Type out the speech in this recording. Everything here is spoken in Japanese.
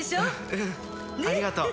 うんありがとう